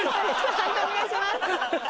判定お願いします。